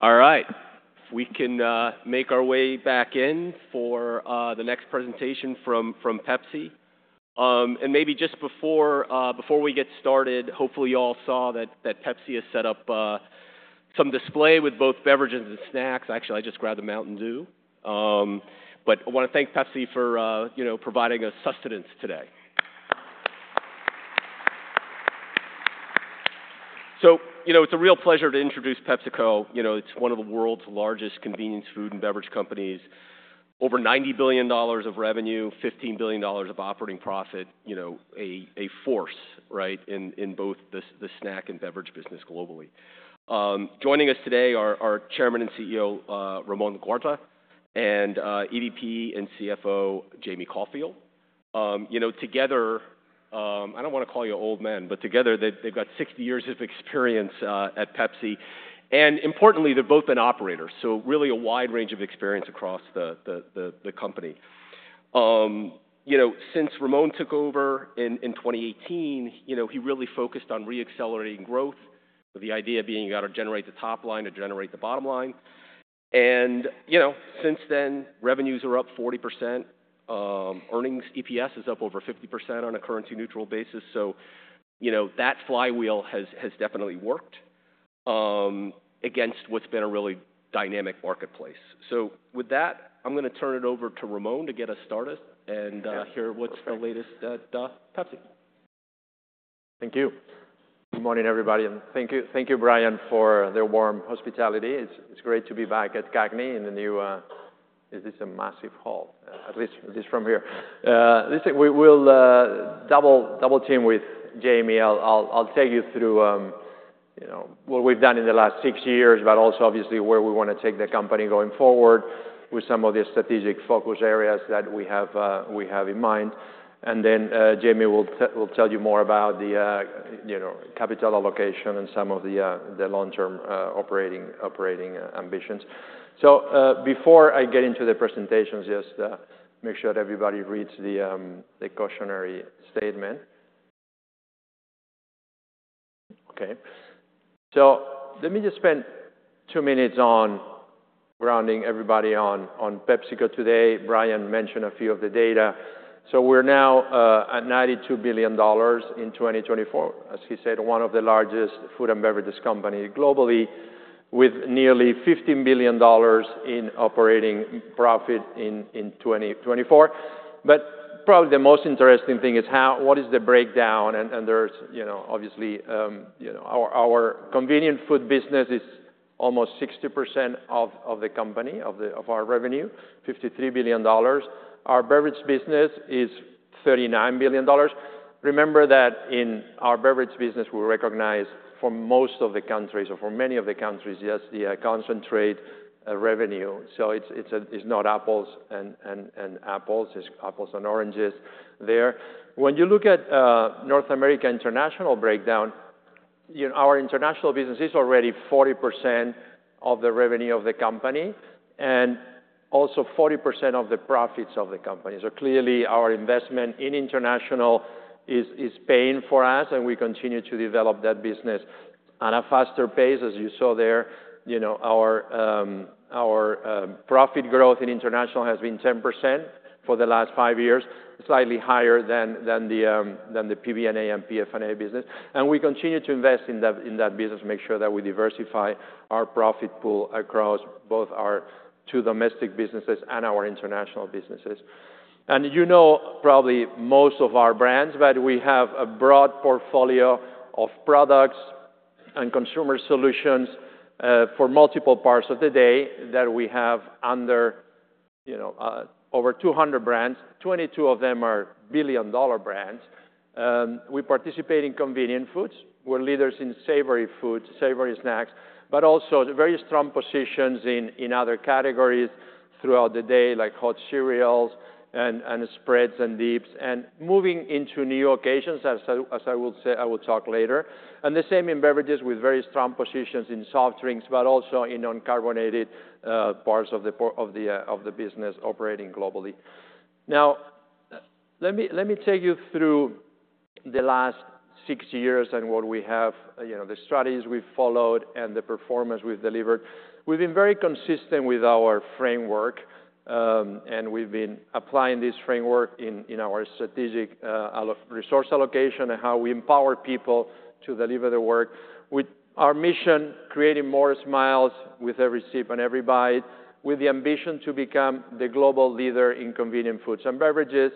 All right. We can make our way back in for the next presentation from Pepsi, and maybe just before we get started, hopefully you all saw that Pepsi has set up some display with both beverages and snacks. Actually, I just grabbed them out in the hall, but I want to thank Pepsi for, you know, providing us sustenance today, so you know, it's a real pleasure to introduce PepsiCo. You know, it's one of the world's largest convenience food and beverage companies, over $90 billion of revenue, $15 billion of operating profit, you know, a force, right, in both the snack and beverage business globally, joining us today are Chairman and CEO Ramon Laguarta, and EVP and CFO Jamie Caulfield. You know, together, I don't want to call you old men, but together they've got 60 years of experience at Pepsi. And importantly, they've both been operators, so really a wide range of experience across the company. You know, since Ramon took over in 2018, you know, he really focused on re-accelerating growth, the idea being you got to generate the top line to generate the bottom line. And, you know, since then, revenues are up 40%. Earnings, EPS is up over 50% on a currency-neutral basis. So, you know, that flywheel has definitely worked against what's been a really dynamic marketplace. So with that, I'm going to turn it over to Ramon to get us started and hear what's the latest at PepsiCo. Thank you. Good morning, everybody. Thank you, thank you, Bryan, for the warm hospitality. It's great to be back at CAGNY in the new... is this a massive hall? At least from here. Listen, we will double team with Jamie. I'll take you through, you know, what we've done in the last six years, but also obviously where we want to take the company going forward with some of the strategic focus areas that we have in mind. Then, Jamie will tell you more about the, you know, capital allocation and some of the long-term operating ambitions. So, before I get into the presentations, just make sure that everybody reads the cautionary statement. Okay. So let me just spend two minutes on grounding everybody on PepsiCo today. Bryan mentioned a few of the data. We're now at $92 billion in 2024, as he said, one of the largest food and beverage companies globally, with nearly $15 billion in operating profit in 2024. Probably the most interesting thing is how, what is the breakdown? And there's, you know, obviously, you know, our convenient food business is almost 60% of the company, of our revenue, $53 billion. Our beverage business is $39 billion. Remember that in our beverage business, we recognize for most of the countries, or for many of the countries, just the concentrated revenue. So it's a, it's not apples and apples. It's apples and oranges there. When you look at North America international breakdown, you know, our international business is already 40% of the revenue of the company and also 40% of the profits of the company. So clearly, our investment in international is paying for us, and we continue to develop that business at a faster pace, as you saw there. You know, our profit growth in international has been 10% for the last five years, slightly higher than the PBNA and PFNA business. And we continue to invest in that business, make sure that we diversify our profit pool across both our two domestic businesses and our international businesses. And you know probably most of our brands, but we have a broad portfolio of products and consumer solutions for multiple parts of the day that we have under, you know, over 200 brands. 22 of them are billion-dollar brands. We participate in convenient foods. We're leaders in savory foods, savory snacks, but also very strong positions in other categories throughout the day, like hot cereals and spreads and dips, and moving into new occasions, as I will say, I will talk later. And the same in beverages with very strong positions in soft drinks, but also in uncarbonated parts of the business operating globally. Now, let me take you through the last six years and what we have, you know, the strategies we've followed and the performance we've delivered. We've been very consistent with our framework, and we've been applying this framework in our strategic resource allocation and how we empower people to deliver the work. With our mission, creating more smiles with every sip and every bite, with the ambition to become the global leader in convenient foods and beverages,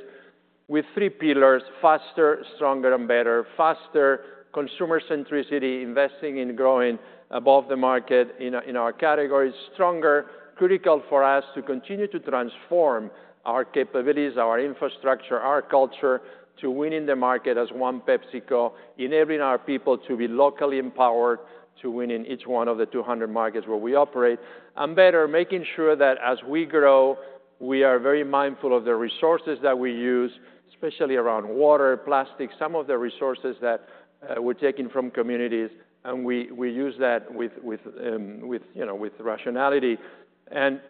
with three pillars: faster, stronger, and better. Faster, consumer centricity, investing in growing above the market in our categories. Stronger, critical for us to continue to transform our capabilities, our infrastructure, our culture to win in the market as one PepsiCo, enabling our people to be locally empowered to win in each one of the 200 markets where we operate. And better, making sure that as we grow, we are very mindful of the resources that we use, especially around water, plastic, some of the resources that we're taking from communities. And we use that with rationality and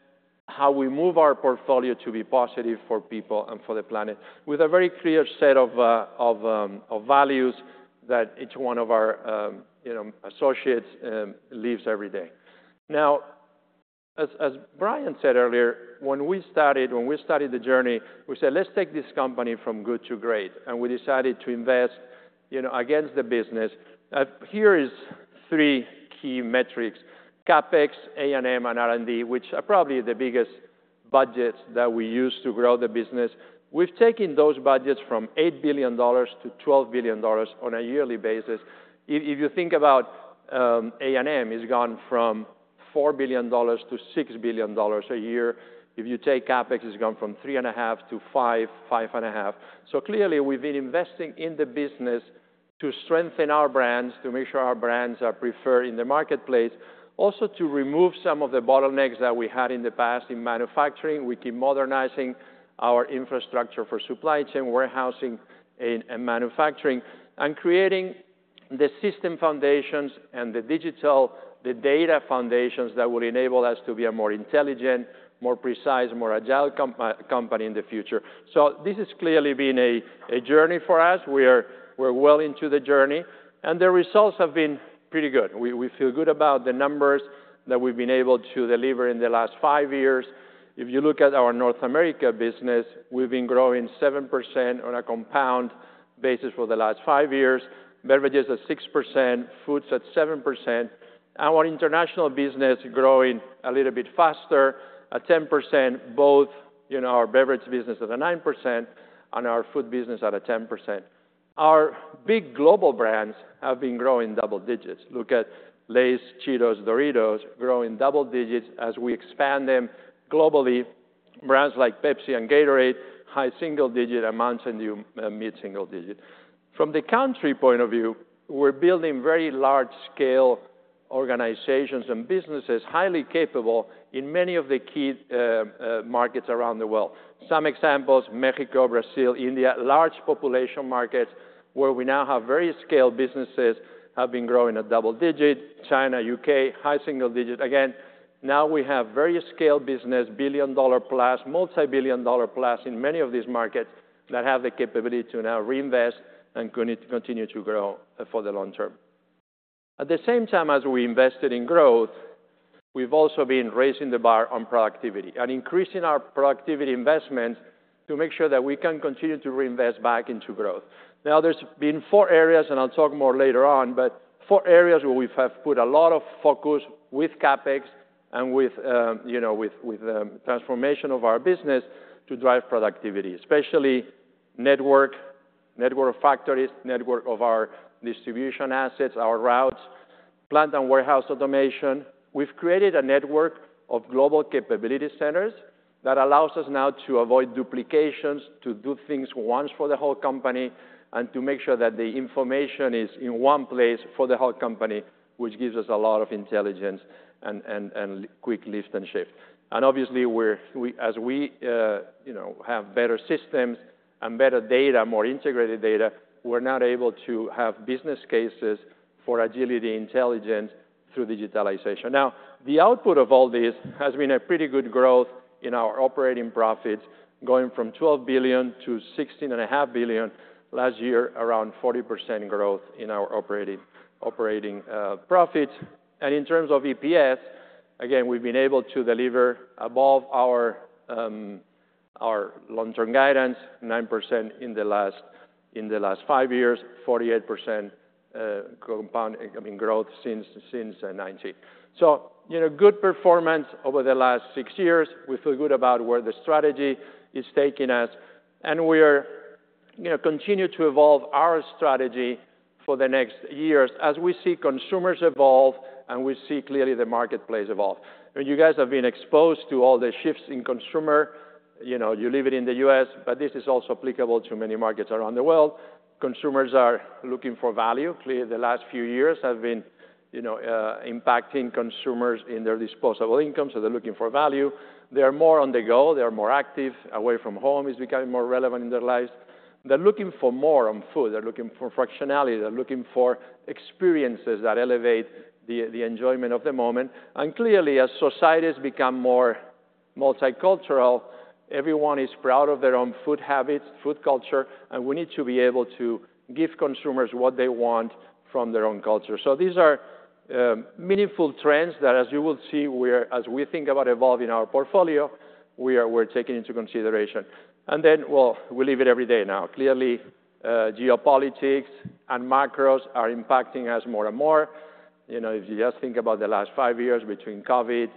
how we move our portfolio to be positive for people and for the planet with a very clear set of values that each one of our associates lives every day. Now, as Bryan said earlier, when we started the journey, we said, let's take this company from good to great. And we decided to invest, you know, against the business. Here are three key metrics: CapEx, A&M, and R&D, which are probably the biggest budgets that we use to grow the business. We've taken those budgets from $8 billion-$12 billion on a yearly basis. If you think about A&M, it's gone from $4 billion-$6 billion a year. If you take CapEx, it's gone from $3.5 billion-$5.5 billion. So clearly, we've been investing in the business to strengthen our brands, to make sure our brands are preferred in the marketplace, also to remove some of the bottlenecks that we had in the past in manufacturing. We keep modernizing our infrastructure for supply chain, warehousing, and manufacturing, and creating the system foundations and the digital, the data foundations that will enable us to be a more intelligent, more precise, more agile company in the future. So this has clearly been a journey for us. We're well into the journey, and the results have been pretty good. We feel good about the numbers that we've been able to deliver in the last five years. If you look at our North America business, we've been growing 7% on a compound basis for the last five years, beverages at 6%, foods at 7%. Our international business is growing a little bit faster, at 10%, both, you know, our beverage business at a 9% and our food business at a 10%. Our big global brands have been growing double digits. Look at Lay's, Cheetos, Doritos growing double digits as we expand them globally. Brands like Pepsi and Gatorade, high single digit and Mountain Dew, mid-single digit. From the country point of view, we're building very large-scale organizations and businesses highly capable in many of the key, markets around the world. Some examples: Mexico, Brazil, India, large population markets where we now have very scaled businesses have been growing at double digit. China, UK, high single digit. Again, now we have very scaled business, billion-dollar plus, multi-billion-dollar plus in many of these markets that have the capability to now reinvest and continue to grow for the long term. At the same time as we invested in growth, we've also been raising the bar on productivity and increasing our productivity investments to make sure that we can continue to reinvest back into growth. Now, there's been four areas, and I'll talk more later on, but four areas where we have put a lot of focus with CapEx and with, you know, transformation of our business to drive productivity, especially network of factories, network of our distribution assets, our routes, plant and warehouse automation. We've created a network of global capability centers that allows us now to avoid duplications, to do things once for the whole company, and to make sure that the information is in one place for the whole company, which gives us a lot of intelligence and quick lift and shift. And obviously, we're as we, you know, have better systems and better data, more integrated data, we're now able to have business cases for agility, intelligence through digitalization. Now, the output of all this has been a pretty good growth in our operating profits, going from $12 billion to $16.5 billion last year, around 40% growth in our operating profits. And in terms of EPS, again, we've been able to deliver above our long-term guidance, 9% in the last five years, 48% compound, I mean, growth since 2019. So, you know, good performance over the last six years. We feel good about where the strategy is taking us, and we, you know, continue to evolve our strategy for the next years as we see consumers evolve and we see clearly the marketplace evolve. You guys have been exposed to all the shifts in consumer. You know, you live in the U.S., but this is also applicable to many markets around the world. Consumers are looking for value. Clearly, the last few years have been, you know, impacting consumers in their disposable income, so they're looking for value. They are more on the go. They are more active. Away from home is becoming more relevant in their lives. They're looking for more on food. They're looking for functionality. They're looking for experiences that elevate the enjoyment of the moment. Clearly, as societies become more multicultural, everyone is proud of their own food habits, food culture, and we need to be able to give consumers what they want from their own culture. These are meaningful trends that, as you will see, we're taking into consideration as we think about evolving our portfolio. Well, we live it every day now. Clearly, geopolitics and macros are impacting us more and more. You know, if you just think about the last five years between COVID,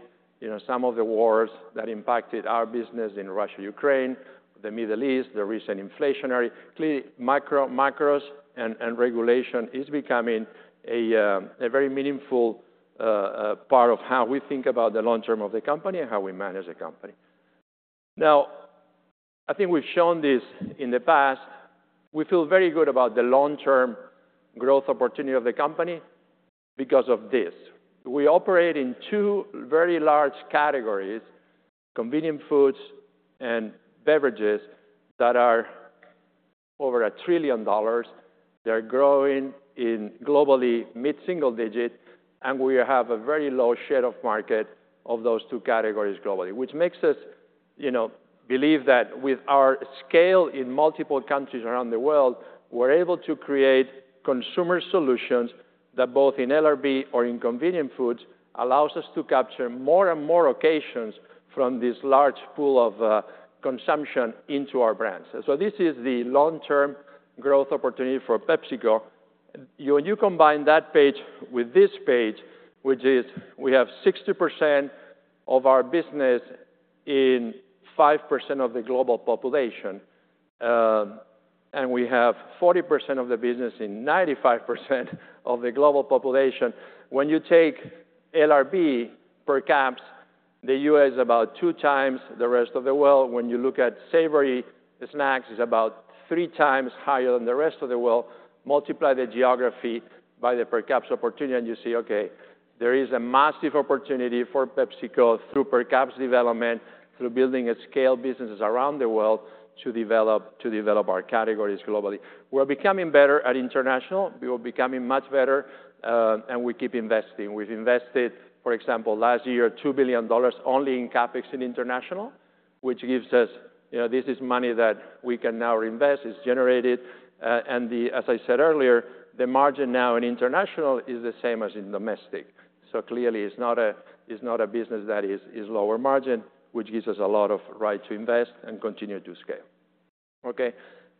you know, some of the wars that impacted our business in Russia, Ukraine, the Middle East, the recent inflationary macro and regulation is becoming a very meaningful part of how we think about the long term of the company and how we manage the company. Now, I think we've shown this in the past. We feel very good about the long-term growth opportunity of the company because of this. We operate in two very large categories: convenient foods and beverages that are over $1 trillion. They're growing in globally mid-single digit, and we have a very low share of market of those two categories globally, which makes us, you know, believe that with our scale in multiple countries around the world, we're able to create consumer solutions that both in LRB or in convenient foods allows us to capture more and more occasions from this large pool of, consumption into our brands. So this is the long-term growth opportunity for PepsiCo. When you combine that page with this page, which is we have 60% of our business in 5% of the global population, and we have 40% of the business in 95% of the global population. When you take LRB per caps, the U.S. is about two times the rest of the world. When you look at savory snacks, it's about three times higher than the rest of the world. Multiply the geography by the per caps opportunity, and you see, okay, there is a massive opportunity for PepsiCo through per caps development, through building scaled businesses around the world to develop our categories globally. We're becoming better at international. We were becoming much better, and we keep investing. We've invested, for example, last year, $2 billion only in CapEx in international, which gives us, you know, this is money that we can now reinvest. It's generated, and, as I said earlier, the margin now in international is the same as in domestic. So clearly, it's not a business that is lower margin, which gives us a lot of right to invest and continue to scale. Okay.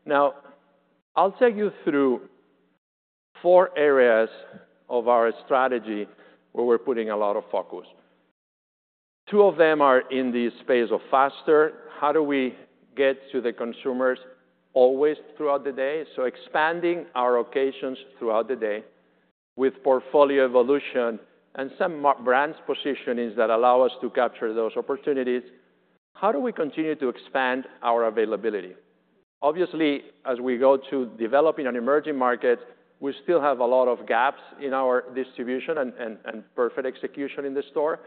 Now, I'll take you through four areas of our strategy where we're putting a lot of focus. Two of them are in the space of faster. How do we get to the consumers always throughout the day? So expanding our occasions throughout the day with portfolio evolution and some brand positionings that allow us to capture those opportunities. How do we continue to expand our availability? Obviously, as we go to developing and emerging markets, we still have a lot of gaps in our distribution and perfect execution in the store.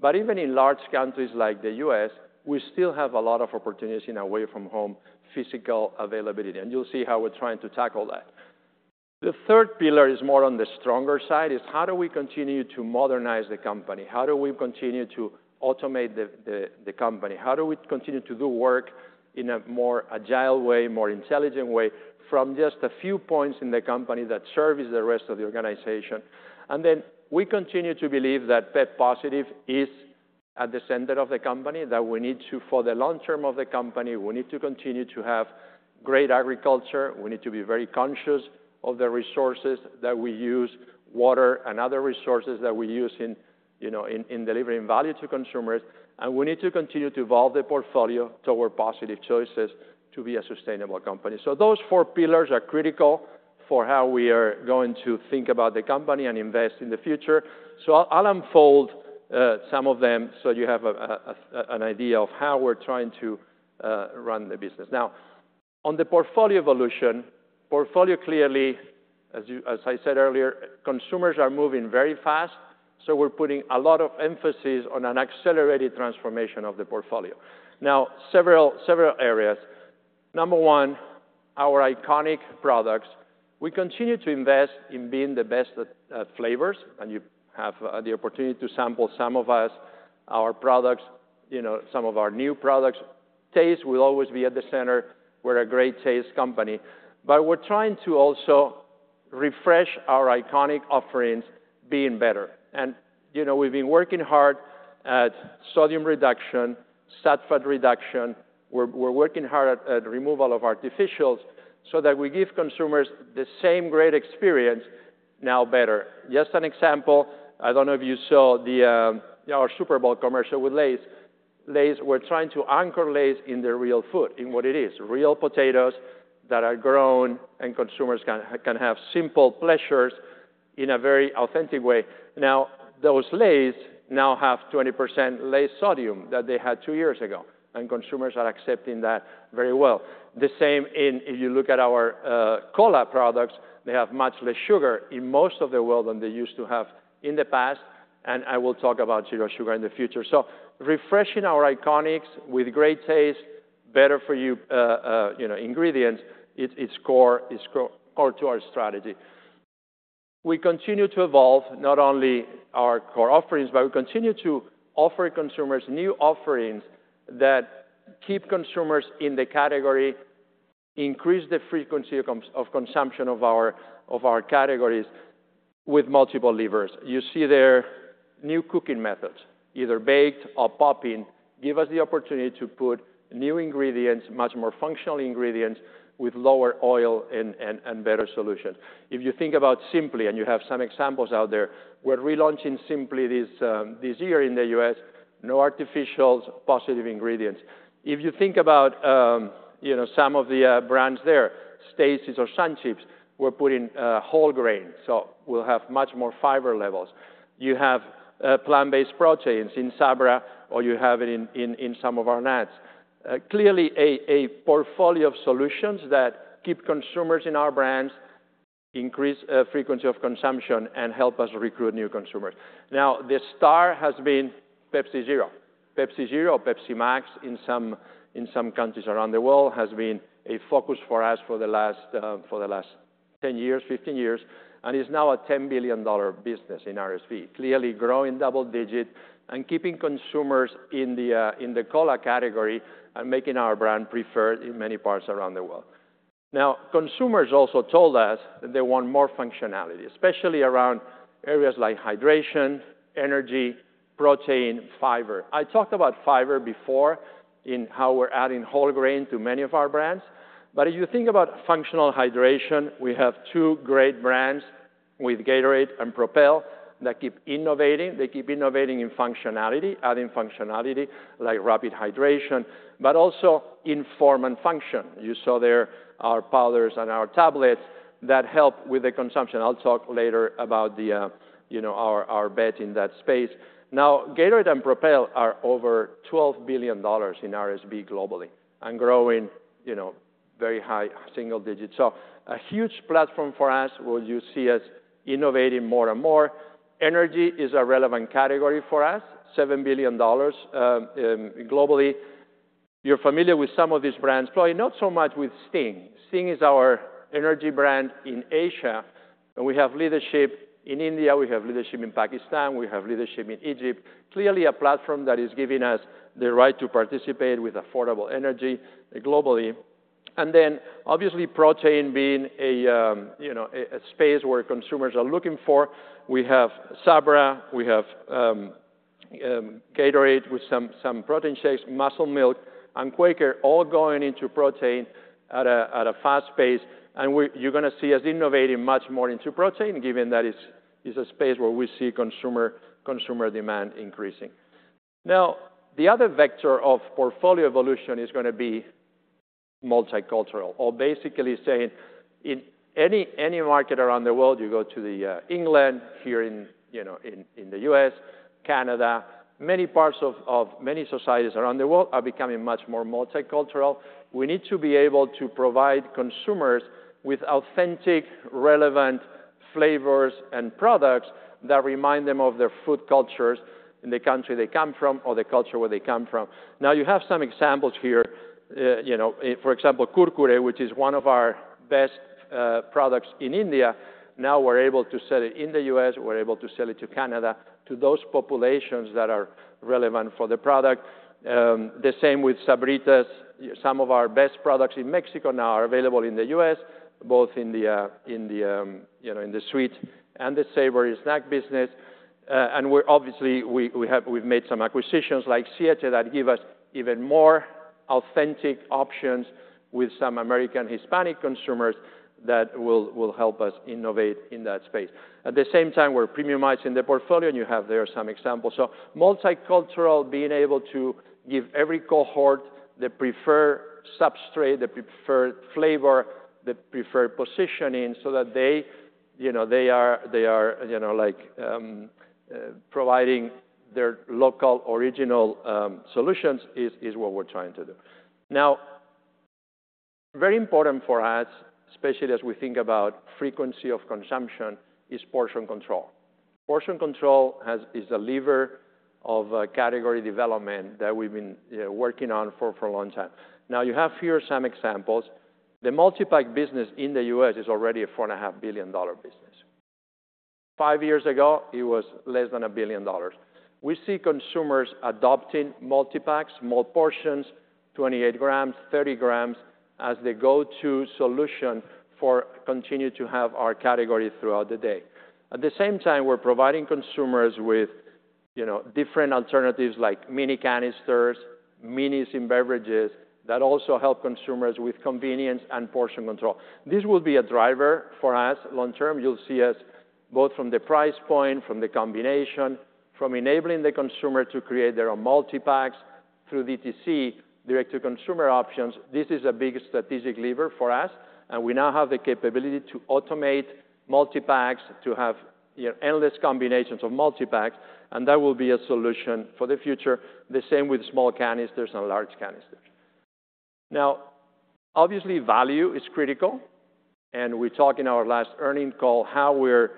But even in large countries like the U.S., we still have a lot of opportunities in away from home physical availability. And you'll see how we're trying to tackle that. The third pillar is more on the stronger side is how do we continue to modernize the company? How do we continue to automate the company? How do we continue to do work in a more agile way, more intelligent way from just a few points in the company that serve the rest of the organization? And then we continue to believe that pep+ is at the center of the company, that we need to, for the long term of the company, we need to continue to have great agriculture. We need to be very conscious of the resources that we use, water and other resources that we use, you know, in delivering value to consumers. And we need to continue to evolve the portfolio toward positive choices to be a sustainable company. So those four pillars are critical for how we are going to think about the company and invest in the future. I'll unfold some of them so you have an idea of how we're trying to run the business. Now, on the portfolio evolution, portfolio clearly, as I said earlier, consumers are moving very fast, so we're putting a lot of emphasis on an accelerated transformation of the portfolio. Now, several areas. Number one, our iconic products. We continue to invest in being the best flavors, and you have the opportunity to sample some of our products, you know, some of our new products. Taste will always be at the center. We're a great taste company, but we're trying to also refresh our iconic offerings, being better. And, you know, we've been working hard at sodium reduction, sat fat reduction. We're working hard at removal of artificials so that we give consumers the same great experience, now better. Just an example, I don't know if you saw our Super Bowl commercial with Lay's. Lay's, we're trying to anchor Lay's in the real food, in what it is, real potatoes that are grown and consumers can have simple pleasures in a very authentic way. Now, those Lay's have 20% less sodium than they had two years ago, and consumers are accepting that very well. The same, if you look at our cola products, they have much less sugar in most of the world than they used to have in the past, and I will talk about zero sugar in the future, so refreshing our iconics with great taste, better for you, you know, ingredients, it's core core to our strategy. We continue to evolve not only our core offerings, but we continue to offer consumers new offerings that keep consumers in the category, increase the frequency of consumption of our categories with multiple levers. You see there new cooking methods, either baked or popping, give us the opportunity to put new ingredients, much more functional ingredients with lower oil and better solutions. If you think about Simply, and you have some examples out there, we're relaunching Simply this year in the U.S., no artificials, positive ingredients. If you think about, you know, some of the brands there, Stacy's or SunChips, we're putting whole grain, so we'll have much more fiber levels. You have plant-based proteins in Sabra, or you have it in some of our nuts. Clearly, a portfolio of solutions that keep consumers in our brands, increase frequency of consumption, and help us recruit new consumers. Now, the star has been Pepsi Zero. Pepsi Zero or Pepsi Max in some countries around the world has been a focus for us for the last 10 years, 15 years, and is now a $10 billion business in RSV, clearly growing double digit and keeping consumers in the cola category and making our brand preferred in many parts around the world. Now, consumers also told us that they want more functionality, especially around areas like hydration, energy, protein, fiber. I talked about fiber before in how we're adding whole grain to many of our brands, but if you think about functional hydration, we have two great brands with Gatorade and Propel that keep innovating. They keep innovating in functionality, adding functionality like rapid hydration, but also in form and function. You saw there are powders and our tablets that help with the consumption. I'll talk later about the, you know, our bet in that space. Now, Gatorade and Propel are over $12 billion in RSV globally and growing, you know, very high single digit. So a huge platform for us where you see us innovating more and more. Energy is a relevant category for us, $7 billion, globally. You're familiar with some of these brands, probably not so much with Sting. Sting is our energy brand in Asia, and we have leadership in India, we have leadership in Pakistan, we have leadership in Egypt. Clearly, a platform that is giving us the right to participate with affordable energy globally. And then, obviously, protein being a, you know, a space where consumers are looking for. We have Sabra, we have Gatorade with some protein shakes, Muscle Milk, and Quaker, all going into protein at a fast pace. And we, you're gonna see us innovating much more into protein, given that it's a space where we see consumer demand increasing. Now, the other vector of portfolio evolution is gonna be multicultural. I'll basically say in any market around the world, you go to England, here in, you know, in the U.S., Canada, many parts of many societies around the world are becoming much more multicultural. We need to be able to provide consumers with authentic, relevant flavors and products that remind them of their food cultures in the country they come from or the culture where they come from. Now, you have some examples here, you know, for example, Kurkure, which is one of our best products in India. Now we're able to sell it in the U.S., we're able to sell it to Canada, to those populations that are relevant for the product. The same with Sabritas. Some of our best products in Mexico now are available in the U.S., both in the, you know, in the sweet and the savory snack business. We're obviously. We have. We've made some acquisitions like Siete that give us even more authentic options with some American Hispanic consumers that will help us innovate in that space. At the same time, we're premiumizing the portfolio, and you have there some examples. Multicultural, being able to give every cohort the preferred substrate, the preferred flavor, the preferred positioning so that they, you know, they are, you know, like, providing their local original solutions is what we're trying to do. Now, very important for us, especially as we think about frequency of consumption, is portion control. Portion control is a lever of a category development that we've been working on for a long time. Now, you have here some examples. The multipack business in the U.S. is already a $4.5 billion business. Five years ago, it was less than $1 billion. We see consumers adopting multipacks, small portions, 28 grams, 30 grams as the go-to solution for continuing to have our category throughout the day. At the same time, we're providing consumers with, you know, different alternatives like mini canisters, minis in beverages that also help consumers with convenience and portion control. This will be a driver for us long term. You'll see us both from the price point, from the combination, from enabling the consumer to create their own multipacks through DTC, direct-to-consumer options. This is a big strategic lever for us, and we now have the capability to automate multipacks to have, you know, endless combinations of multipacks, and that will be a solution for the future. The same with small canisters and large canisters. Now, obviously, value is critical, and we talked in our last earnings call how we're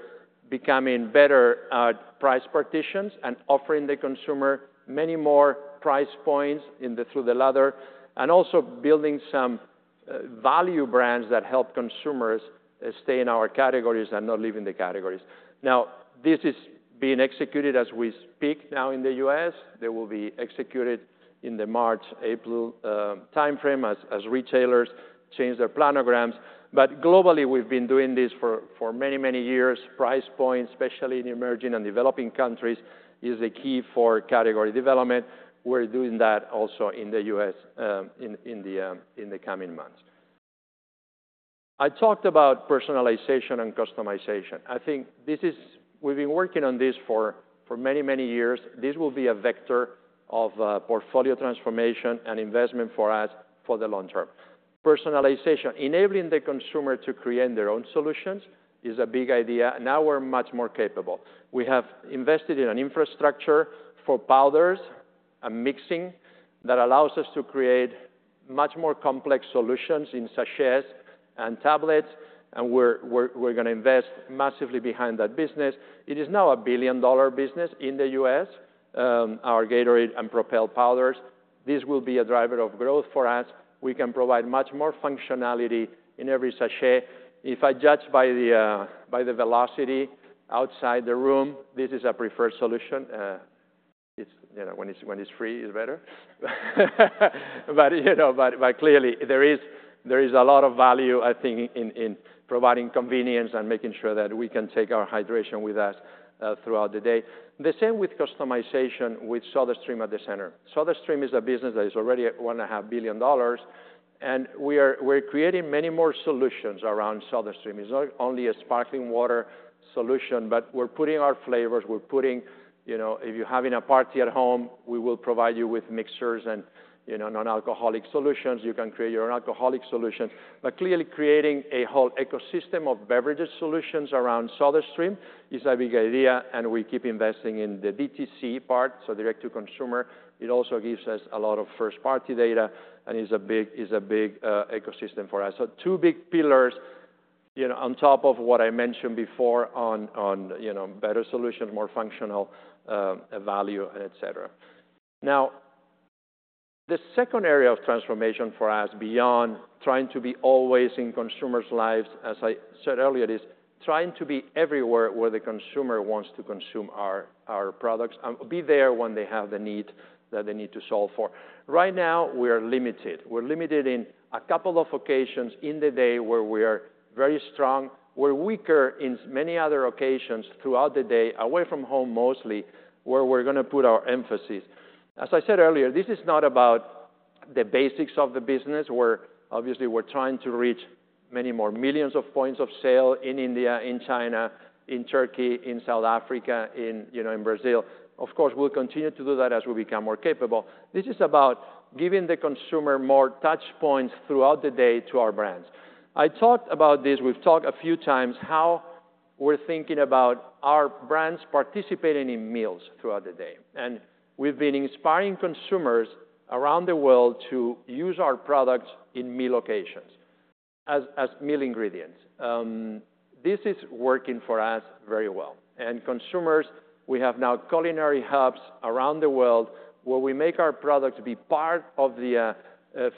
becoming better at price partitions and offering the consumer many more price points in the through the ladder and also building some value brands that help consumers stay in our categories and not leaving the categories. Now, this is being executed as we speak now in the U.S. It will be executed in the March, April timeframe as retailers change their planograms. But globally, we've been doing this for, for many, many years. Price point, especially in emerging and developing countries, is the key for category development. We're doing that also in the U.S. in the coming months. I talked about personalization and customization. I think this is; we've been working on this for, for many, many years. This will be a vector of portfolio transformation and investment for us for the long term. Personalization, enabling the consumer to create their own solutions, is a big idea. Now we're much more capable. We have invested in an infrastructure for powders and mixing that allows us to create much more complex solutions in sachets and tablets, and we're gonna invest massively behind that business. It is now a billion-dollar business in the U.S., our Gatorade and Propel powders. This will be a driver of growth for us. We can provide much more functionality in every sachet. If I judge by the velocity outside the room, this is a preferred solution. It's, you know, when it's free, it's better. But clearly there is a lot of value, I think, in providing convenience and making sure that we can take our hydration with us, throughout the day. The same with customization with SodaStream at the center. SodaStream is a business that is already at $1.5 billion, and we are creating many more solutions around SodaStream. It's not only a sparkling water solution, but we're putting our flavors, you know, if you're having a party at home, we will provide you with mixers and, you know, non-alcoholic solutions. You can create your own alcoholic solutions. But clearly, creating a whole ecosystem of beverage solutions around SodaStream is a big idea, and we keep investing in the DTC part, so direct-to-consumer. It also gives us a lot of first-party data, and it's a big ecosystem for us. So two big pillars, you know, on top of what I mentioned before on, you know, better solutions, more functional, value, and et cetera. Now, the second area of transformation for us beyond trying to be always in consumers' lives, as I said earlier, is trying to be everywhere where the consumer wants to consume our products and be there when they have the need that they need to solve for. Right now, we are limited in a couple of occasions in the day where we are very strong. We're weaker in many other occasions throughout the day, away from home mostly, where we're gonna put our emphasis. As I said earlier, this is not about the basics of the business. We're obviously, we're trying to reach many more millions of points of sale in India, in China, in Turkey, in South Africa, in, you know, in Brazil. Of course, we'll continue to do that as we become more capable. This is about giving the consumer more touchpoints throughout the day to our brands. I talked about this. We've talked a few times how we're thinking about our brands participating in meals throughout the day, and we've been inspiring consumers around the world to use our products in meal locations as meal ingredients. This is working for us very well, and consumers, we have now culinary hubs around the world where we make our products be part of the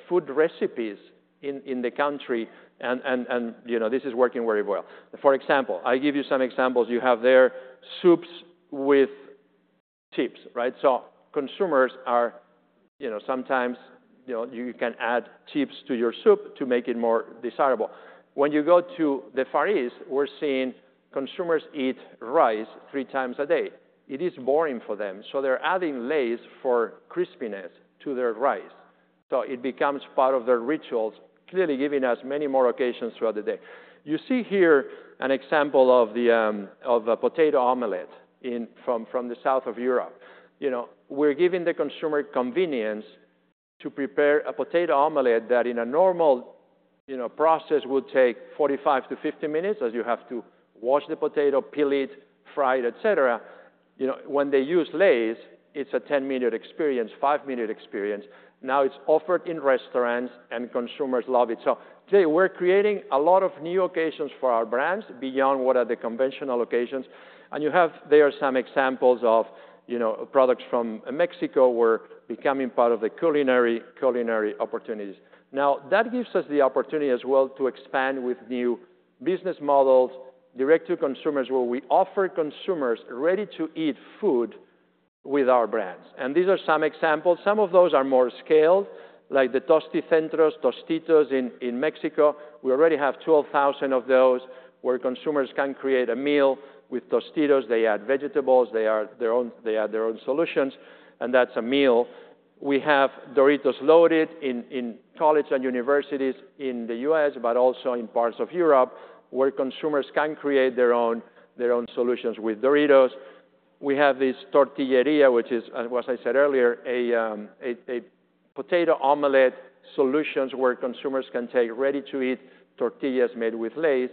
food recipes in the country, and, you know, this is working very well. For example, I give you some examples. You have there soups with chips, right? Consumers are, you know, sometimes, you know, you can add chips to your soup to make it more desirable. When you go to the Far East, we're seeing consumers eat rice three times a day. It is boring for them, so they're adding Lay's for crispiness to their rice. So it becomes part of their rituals, clearly giving us many more occasions throughout the day. You see here an example of a potato omelet from the south of Europe. You know, we're giving the consumer convenience to prepare a potato omelet that in a normal, you know, process would take 45 to 50 minutes, as you have to wash the potato, peel it, fry it, et cetera. You know, when they use Lay's, it's a 10-minute experience, five-minute experience. Now it's offered in restaurants, and consumers love it. Today, we're creating a lot of new occasions for our brands beyond what are the conventional occasions. You have there are some examples of, you know, products from Mexico were becoming part of the culinary opportunities. Now, that gives us the opportunity as well to expand with new business models, direct-to-consumers, where we offer consumers ready-to-eat food with our brands. These are some examples. Some of those are more scaled, like the Tosticentros, Tostitos in Mexico. We already have 12,000 of those where consumers can create a meal with Tostitos. They add vegetables, they add their own solutions, and that's a meal. We have Doritos Loaded in college and universities in the U.S., but also in parts of Europe where consumers can create their own solutions with Doritos. We have this Tortilleria, which is, as I said earlier, a potato omelet solutions where consumers can take ready-to-eat tortillas made with Lay's,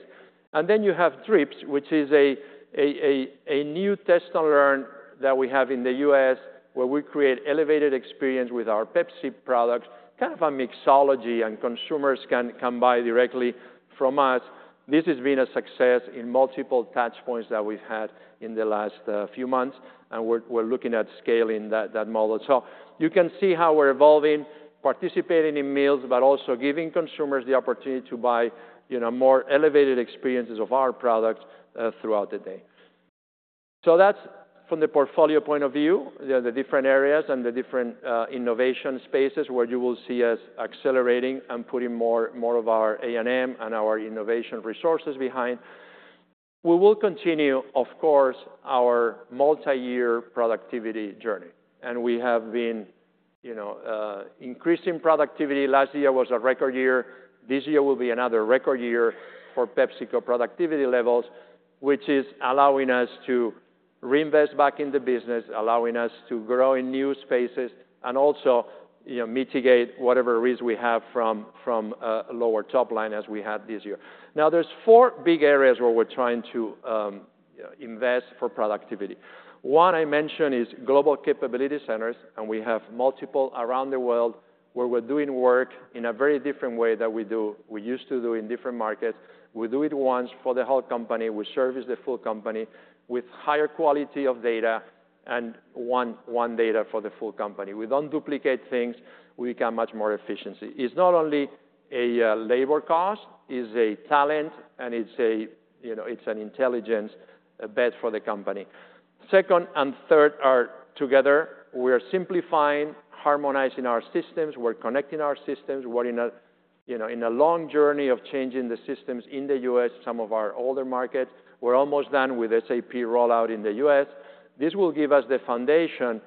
and then you have Draft, which is a new test and learn that we have in the U.S. where we create elevated experience with our Pepsi products, kind of a mixology, and consumers can buy directly from us. This has been a success in multiple touch points that we've had in the last few months, and we're looking at scaling that model, so you can see how we're evolving, participating in meals, but also giving consumers the opportunity to buy, you know, more elevated experiences of our products throughout the day. So that's from the portfolio point of view, the different areas and the different innovation spaces where you will see us accelerating and putting more, more of our A&M and our innovation resources behind. We will continue, of course, our multi-year productivity journey, and we have been, you know, increasing productivity. Last year was a record year. This year will be another record year for PepsiCo productivity levels, which is allowing us to reinvest back in the business, allowing us to grow in new spaces, and also, you know, mitigate whatever risk we have from lower top line as we had this year. Now, there's four big areas where we're trying to, you know, invest for productivity. One I mentioned is Global Capability Centers, and we have multiple around the world where we're doing work in a very different way that we do, we used to do in different markets. We do it once for the whole company. We service the full company with higher quality of data and one data for the full company. We don't duplicate things. We become much more efficient. It's not only a labor cost, it's a talent, and it's a, you know, it's an intelligence, a bet for the company. Second and third are together. We are simplifying, harmonizing our systems. We're connecting our systems. We're in a, you know, in a long journey of changing the systems in the U.S., some of our older markets. We're almost done with SAP rollout in the U.S. This will give us the foundation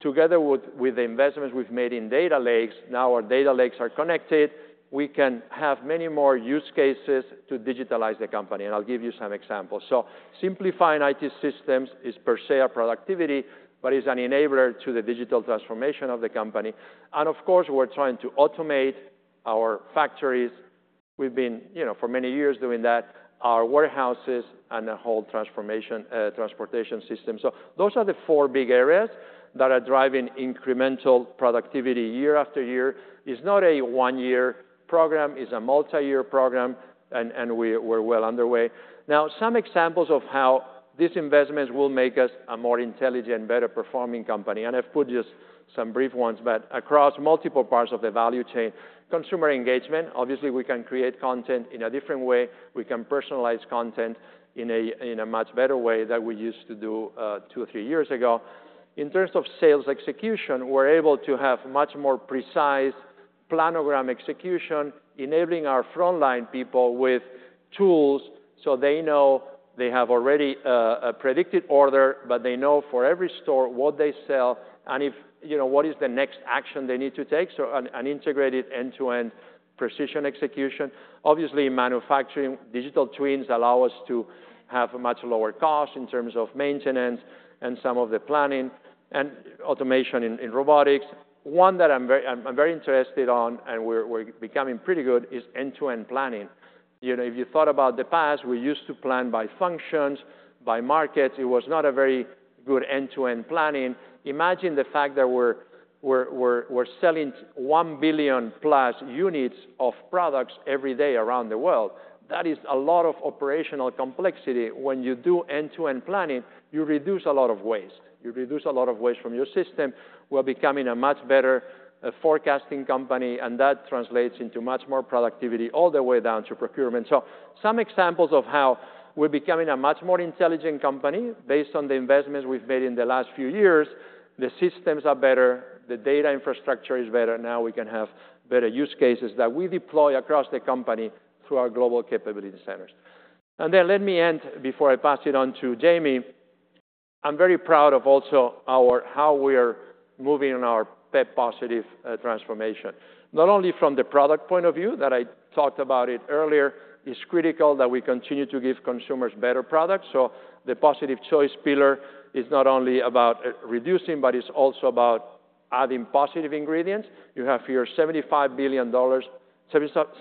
together with the investments we've made in data lakes. Now our data lakes are connected. We can have many more use cases to digitalize the company, and I'll give you some examples, so simplifying IT systems is per se a productivity, but it's an enabler to the digital transformation of the company, and of course, we're trying to automate our factories. We've been, you know, for many years doing that, our warehouses and the whole transformation, transportation system, so those are the four big areas that are driving incremental productivity year after year. It's not a one-year program. It's a multi-year program, and we're well underway. Now, some examples of how these investments will make us a more intelligent, better performing company. I've put just some brief ones, but across multiple parts of the value chain, consumer engagement, obviously we can create content in a different way. We can personalize content in a much better way than we used to do, two, three years ago. In terms of sales execution, we're able to have much more precise planogram execution, enabling our frontline people with tools so they know they have already a predicted order, but they know for every store what they sell and, you know, what is the next action they need to take. So an integrated end-to-end precision execution. Obviously, in manufacturing, digital twins allow us to have much lower costs in terms of maintenance and some of the planning and automation in robotics. One that I'm very interested on, and we're becoming pretty good, is end-to-end planning. You know, if you thought about the past, we used to plan by functions, by markets. It was not a very good end-to-end planning. Imagine the fact that we're selling one billion plus units of products every day around the world. That is a lot of operational complexity. When you do end-to-end planning, you reduce a lot of waste. You reduce a lot of waste from your system. We're becoming a much better forecasting company, and that translates into much more productivity all the way down to procurement. So some examples of how we're becoming a much more intelligent company based on the investments we've made in the last few years. The systems are better. The data infrastructure is better. Now we can have better use cases that we deploy across the company through our global capability centers. And then let me end before I pass it on to Jamie. I'm very proud of also our how we are moving in our pep+ transformation. Not only from the product point of view that I talked about it earlier, it's critical that we continue to give consumers better products. So the positive choice pillar is not only about reducing, but it's also about adding positive ingredients. You have here $75 billion,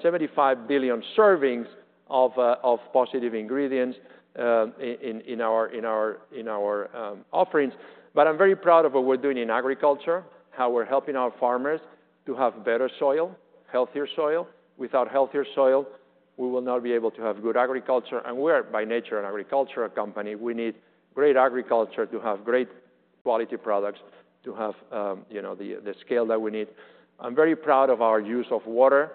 75 billion servings of positive ingredients in our offerings. But I'm very proud of what we're doing in agriculture, how we're helping our farmers to have better soil, healthier soil. Without healthier soil, we will not be able to have good agriculture. And we are by nature an agricultural company. We need great agriculture to have great quality products, to have, you know, the scale that we need. I'm very proud of our use of water.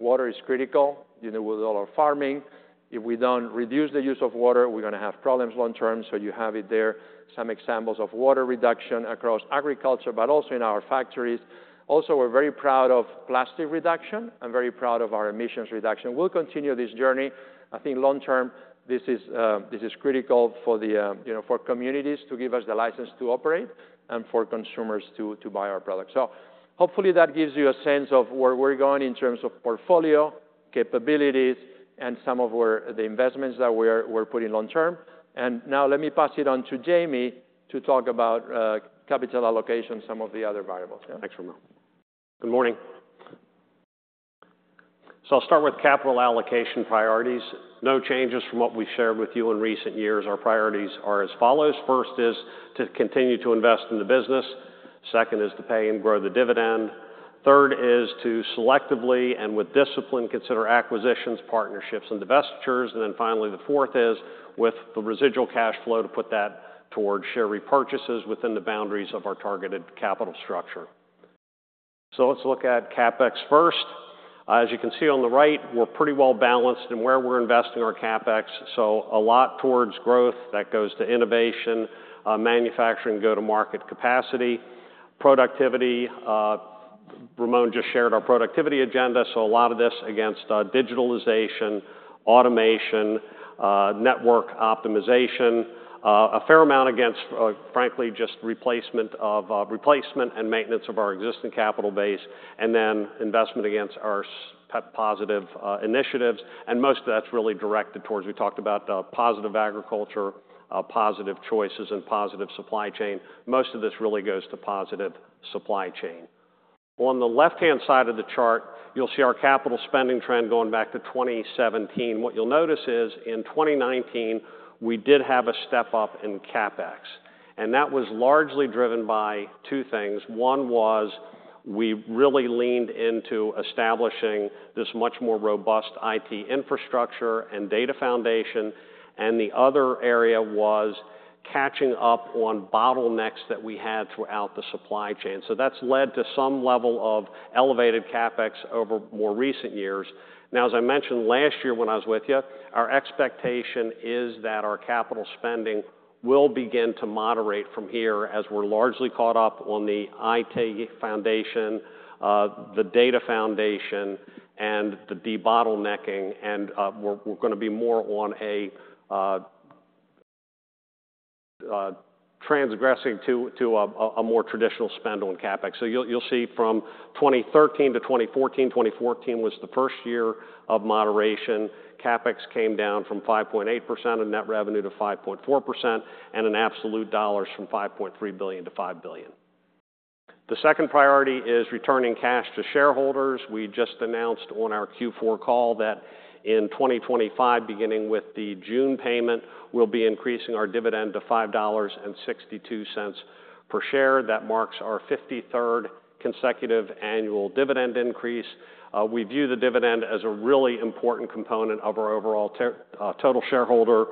Water is critical, you know, with all our farming. If we don't reduce the use of water, we're gonna have problems long term. So you have it there. Some examples of water reduction across agriculture, but also in our factories. Also, we're very proud of plastic reduction. I'm very proud of our emissions reduction. We'll continue this journey. I think long term, this is critical for the, you know, for communities to give us the license to operate and for consumers to buy our products. So hopefully that gives you a sense of where we're going in terms of portfolio capabilities and some of where the investments that we're putting long term. And now let me pass it on to Jamie to talk about capital allocation, some of the other variables. Yeah. Thanks for now. Good morning. So I'll start with capital allocation priorities. No changes from what we've shared with you in recent years. Our priorities are as follows. First is to continue to invest in the business. Second is to pay and grow the dividend. Third is to selectively and with discipline consider acquisitions, partnerships, and divestitures. And then finally, the fourth is with the residual cash flow to put that towards share repurchases within the boundaries of our targeted capital structure. So let's look at CapEx first. As you can see on the right, we're pretty well balanced in where we're investing our CapEx. So a lot towards growth that goes to innovation, manufacturing, go to market capacity, productivity. Ramon just shared our productivity agenda. A lot of this against digitalization, automation, network optimization, a fair amount against, frankly, just replacement and maintenance of our existing capital base, and then investment against our pep+ positive initiatives. Most of that's really directed towards we talked about, positive agriculture, positive choices, and positive supply chain. Most of this really goes to positive supply chain. On the left-hand side of the chart, you'll see our capital spending trend going back to 2017. What you'll notice is in 2019, we did have a step up in CapEx, and that was largely driven by two things. One was we really leaned into establishing this much more robust IT infrastructure and data foundation. The other area was catching up on bottlenecks that we had throughout the supply chain. That's led to some level of elevated CapEx over more recent years. Now, as I mentioned last year when I was with you, our expectation is that our capital spending will begin to moderate from here as we're largely caught up on the IT foundation, the data foundation, and the debottlenecking. We're gonna be more on a transitioning to a more traditional spend on CapEx. So you'll see from 2013 to 2014, 2014 was the first year of moderation. CapEx came down from 5.8% of net revenue to 5.4% and in absolute dollars from $5.3 billion-$5 billion. The second priority is returning cash to shareholders. We just announced on our Q4 call that in 2025, beginning with the June payment, we'll be increasing our dividend to $5.62 per share. That marks our 53rd consecutive annual dividend increase. We view the dividend as a really important component of our overall total shareholder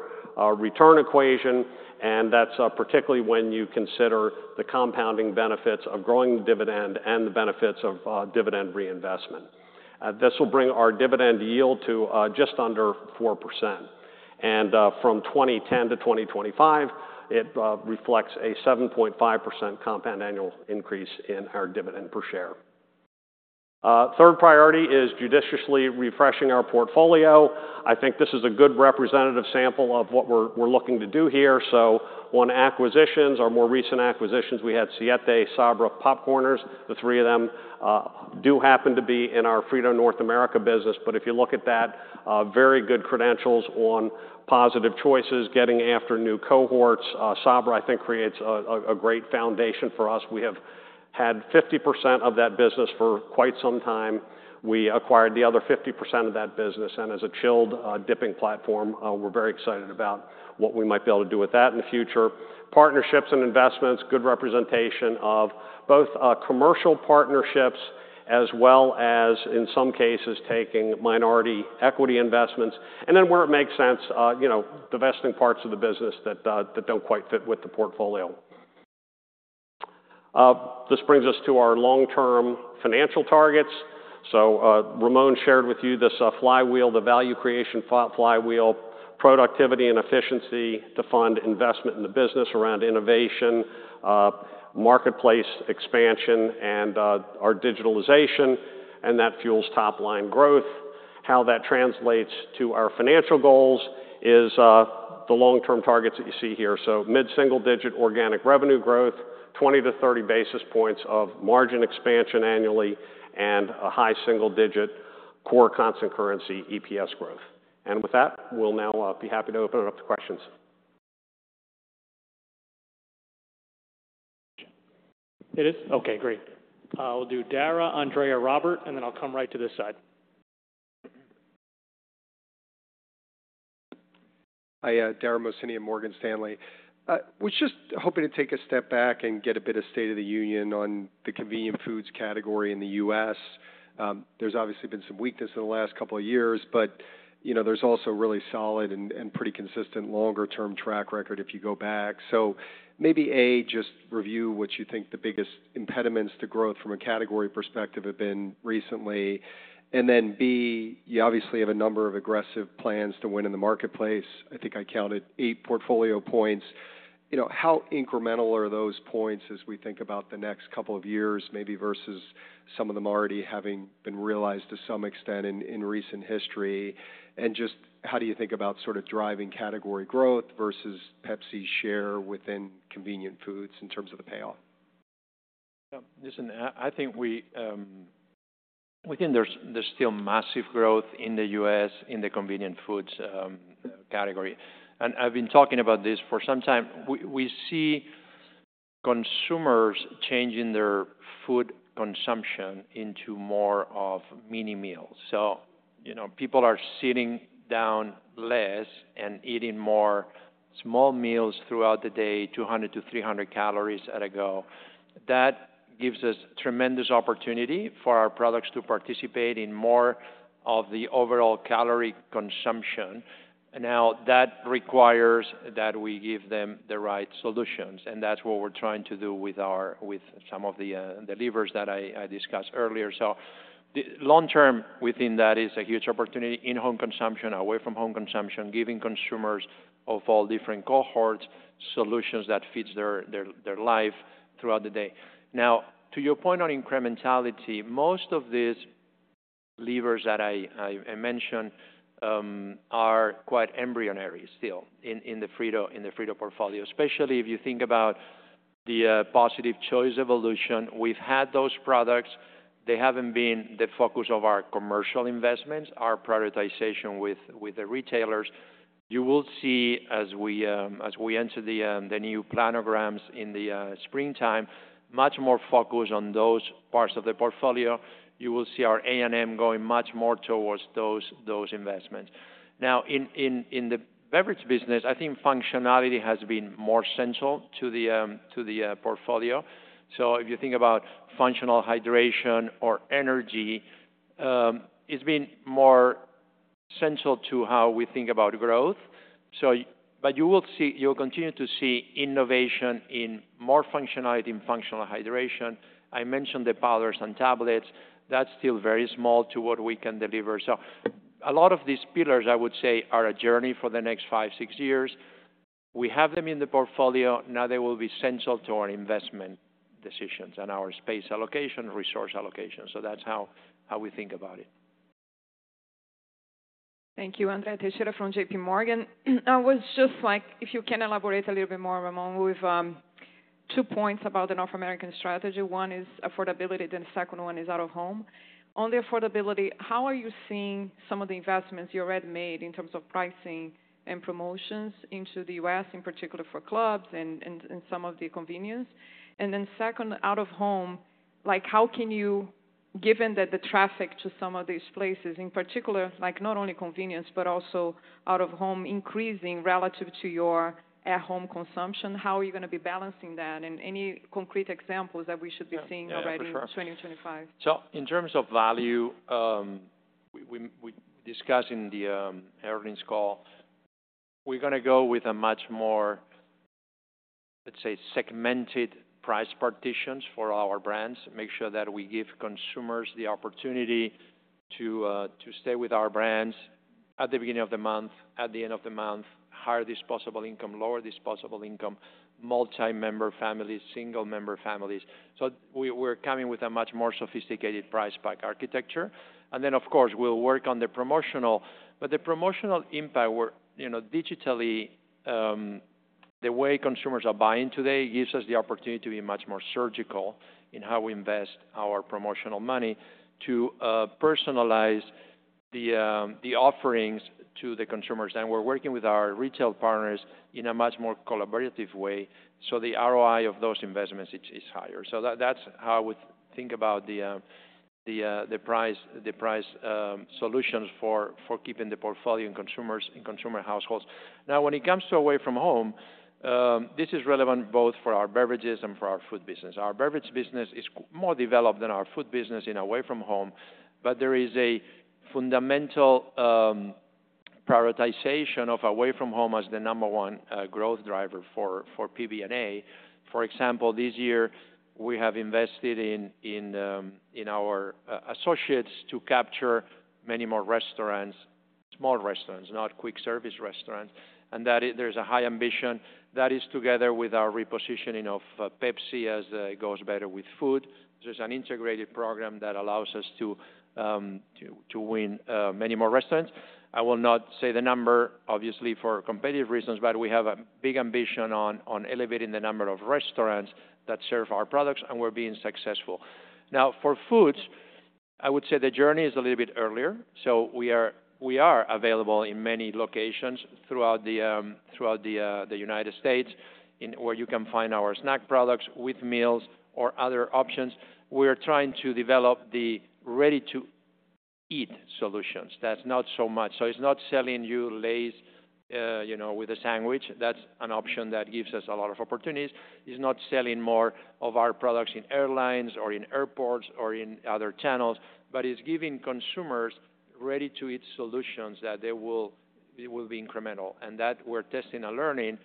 return equation. And that's particularly when you consider the compounding benefits of growing the dividend and the benefits of dividend reinvestment. This will bring our dividend yield to just under 4%. And from 2010 to 2025, it reflects a 7.5% compound annual increase in our dividend per share. Third priority is judiciously refreshing our portfolio. I think this is a good representative sample of what we're looking to do here. So on acquisitions, our more recent acquisitions, we had Siete, Sabra, PopCorners. The three of them do happen to be in our Frito North America business. But if you look at that, very good credentials on positive choices, getting after new cohorts, Sabra, I think, creates a great foundation for us. We have had 50% of that business for quite some time. We acquired the other 50% of that business. And as a chilled dipping platform, we're very excited about what we might be able to do with that in the future. Partnerships and investments, good representation of both, commercial partnerships as well as, in some cases, taking minority equity investments. And then where it makes sense, you know, divesting parts of the business that, that don't quite fit with the portfolio. This brings us to our long-term financial targets. So, Ramon shared with you this flywheel, the value creation flywheel, productivity and efficiency to fund investment in the business around innovation, marketplace expansion, and our digitalization. And that fuels top-line growth. How that translates to our financial goals is the long-term targets that you see here. So mid-single digit organic revenue growth, 20 to 30 basis points of margin expansion annually, and a high single digit core constant currency EPS growth. And with that, we'll now be happy to open it up to questions. It is okay. Great. I'll do Dara, Andrea, Robert, and then I'll come right to this side. Hi, Dara Mohsenian, Morgan Stanley. I was just hoping to take a step back and get a bit of state of the union on the convenience foods category in the U.S. There's obviously been some weakness in the last couple of years, but, you know, there's also really solid and pretty consistent longer-term track record if you go back. So maybe A, just review what you think the biggest impediments to growth from a category perspective have been recently. And then B, you obviously have a number of aggressive plans to win in the marketplace. I think I counted eight portfolio points. You know, how incremental are those points as we think about the next couple of years, maybe versus some of them already having been realized to some extent in recent history? And just how do you think about sort of driving category growth versus Pepsi's share within convenient foods in terms of the payoff? Yeah. Listen, I think within, there's still massive growth in the U.S. in the convenient foods category. And I've been talking about this for some time. We see consumers changing their food consumption into more of mini meals. So, you know, people are sitting down less and eating more small meals throughout the day, 200-300 calories at a go. That gives us tremendous opportunity for our products to participate in more of the overall calorie consumption. Now, that requires that we give them the right solutions. And that's what we're trying to do with our, with some of the levers that I discussed earlier. So the long-term within that is a huge opportunity in home consumption, away from home consumption, giving consumers of all different cohorts solutions that fits their life throughout the day. Now, to your point on incrementality, most of these levers that I mentioned are quite embryonic still in the Frito-Lay portfolio, especially if you think about the positive choice evolution. We've had those products. They haven't been the focus of our commercial investments, our prioritization with the retailers. You will see as we enter the new planograms in the springtime, much more focus on those parts of the portfolio. You will see our A and M going much more towards those investments. Now, in the beverage business, I think functionality has been more central to the portfolio. So if you think about functional hydration or energy, it's been more central to how we think about growth. So, but you will see, you'll continue to see innovation in more functionality in functional hydration. I mentioned the powders and tablets. That's still very small to what we can deliver. So a lot of these pillars, I would say, are a journey for the next five, six years. We have them in the portfolio. Now they will be central to our investment decisions and our space allocation, resource allocation. So that's how we think about it. Thank you, Andrea. Andrea from JPMorgan. I was just like, if you can elaborate a little bit more, Ramon, with two points about the North American strategy. One is affordability, then the second one is out of home. On the affordability, how are you seeing some of the investments you already made in terms of pricing and promotions into the U.S., in particular for clubs and some of the convenience? And then second, out of home, like how can you, given that the traffic to some of these places, in particular, like not only convenience, but also out of home, increasing relative to your at-home consumption, how are you gonna be balancing that and any concrete examples that we should be seeing already in 2025? So in terms of value, we discussed in the earnings call, we're gonna go with a much more, let's say, segmented price partitions for our brands, make sure that we give consumers the opportunity to stay with our brands at the beginning of the month, at the end of the month, higher disposable income, lower disposable income, multi-member families, single-member families. We're coming with a much more sophisticated price pack architecture. And then, of course, we'll work on the promotional, but the promotional impact where, you know, digitally, the way consumers are buying today gives us the opportunity to be much more surgical in how we invest our promotional money to personalize the offerings to the consumers. And we're working with our retail partners in a much more collaborative way. So the ROI of those investments is higher. So that's how I would think about the price solutions for keeping the portfolio in consumer households. Now, when it comes to away from home, this is relevant both for our beverages and for our food business. Our beverage business is more developed than our food business in away from home, but there is a fundamental prioritization of away from home as the number one growth driver for PBNA. For example, this year we have invested in our associates to capture many more restaurants, small restaurants, not quick service restaurants. And there's a high ambition that is together with our repositioning of Pepsi as it goes better with food. There's an integrated program that allows us to win many more restaurants. I will not say the number, obviously, for competitive reasons, but we have a big ambition on elevating the number of restaurants that serve our products, and we're being successful. Now, for foods, I would say the journey is a little bit earlier. So we are available in many locations throughout the United States in where you can find our snack products with meals or other options. We are trying to develop the ready-to-eat solutions. That's not so much. So it's not selling you Lay's, you know, with a sandwich. That's an option that gives us a lot of opportunities. It's not selling more of our products in airlines or in airports or in other channels, but it's giving consumers ready-to-eat solutions that will be incremental. And that we're testing and learning.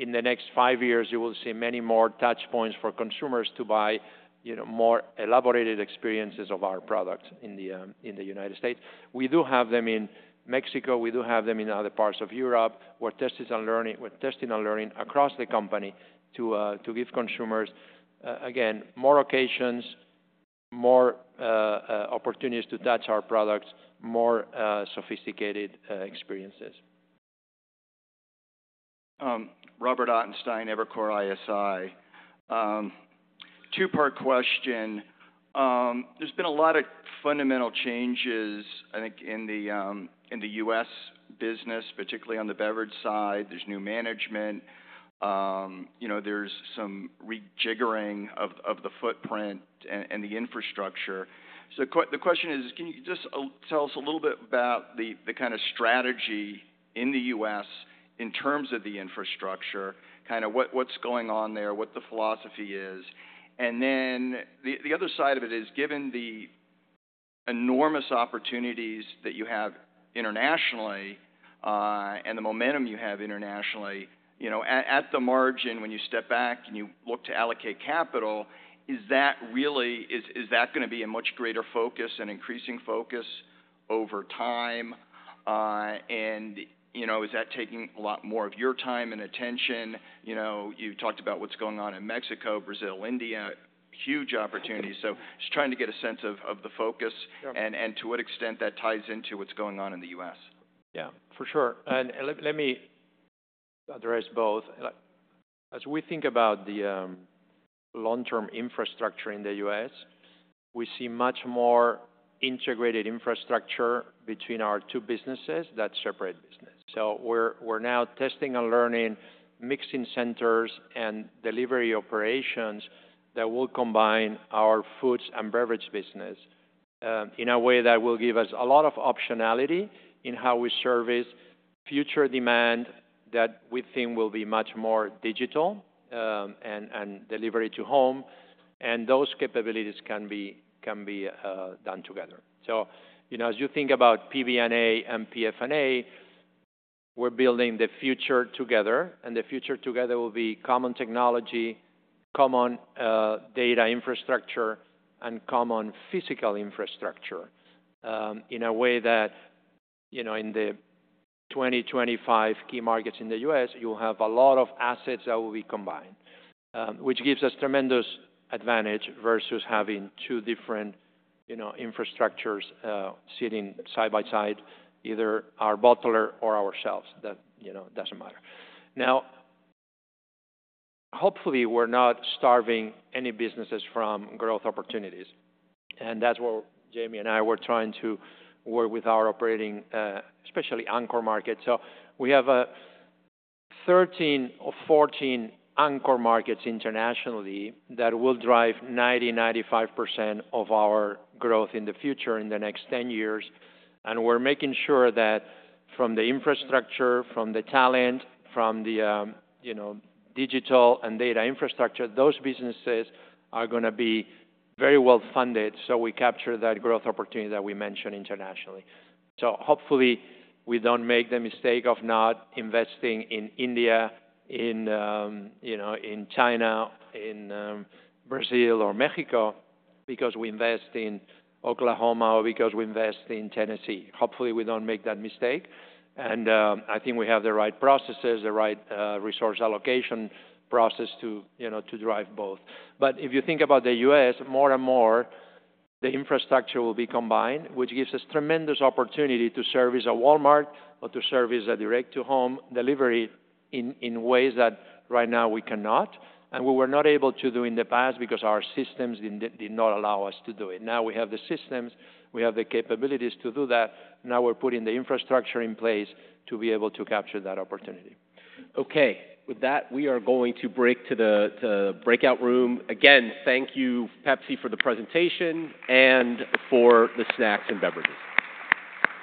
In the next five years, you will see many more touch points for consumers to buy, you know, more elaborated experiences of our products in the United States. We do have them in Mexico. We do have them in other parts of Europe. We're testing and learning across the company to give consumers, again, more occasions, more opportunities to touch our products, more sophisticated experiences. Robert Ottenstein, Evercore ISI. Two-part question. There's been a lot of fundamental changes, I think, in the U.S. business, particularly on the beverage side. There's new management. You know, there's some rejiggering of the footprint and the infrastructure. The question is, can you just tell us a little bit about the kind of strategy in the U.S. in terms of the infrastructure, kind of what's going on there, what the philosophy is? Then the other side of it is, given the enormous opportunities that you have internationally, and the momentum you have internationally, you know, at the margin, when you step back and you look to allocate capital, is that really gonna be a much greater focus and increasing focus over time? You know, is that taking a lot more of your time and attention? You know, you talked about what's going on in Mexico, Brazil, India, huge opportunity. Just trying to get a sense of the focus and to what extent that ties into what's going on in the U.S.. Yeah, for sure, and let me address both. As we think about the long-term infrastructure in the U.S., we see much more integrated infrastructure between our two businesses, the separate businesses. So we're now testing and learning mixing centers and delivery operations that will combine our foods and beverage business in a way that will give us a lot of optionality in how we service future demand that we think will be much more digital, and delivery to home. Those capabilities can be done together. You know, as you think about PBNA and PFNA, we're building the future together. And the future together will be common technology, common data infrastructure, and common physical infrastructure, in a way that, you know, in the 2025 key markets in the U.S., you'll have a lot of assets that will be combined, which gives us tremendous advantage versus having two different, you know, infrastructures, sitting side by side, either our bottler or ourselves that, you know, doesn't matter. Now, hopefully we're not starving any businesses from growth opportunities. And that's what Jamie and I were trying to work with our operating, especially anchor markets. So we have 13 or 14 anchor markets internationally that will drive 90%-95% of our growth in the future in the next 10 years. And we're making sure that from the infrastructure, from the talent, from the, you know, digital and data infrastructure, those businesses are gonna be very well funded. So we capture that growth opportunity that we mentioned internationally. Hopefully we don't make the mistake of not investing in India, you know, in China, in Brazil or Mexico, because we invest in Oklahoma or because we invest in Tennessee. Hopefully we don't make that mistake, and I think we have the right processes, the right resource allocation process to, you know, to drive both, but if you think about the U.S., more and more the infrastructure will be combined, which gives us tremendous opportunity to service a Walmart or to service a direct-to-home delivery in ways that right now we cannot, and we were not able to do in the past because our systems didn't, did not allow us to do it. Now we have the systems, we have the capabilities to do that. Now we're putting the infrastructure in place to be able to capture that opportunity. Okay. With that, we are going to break to the breakout room. Again, thank you, Pepsi, for the presentation and for the snacks and beverages.